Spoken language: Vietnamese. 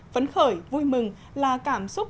vẫn khởi vui mừng là cảm xúc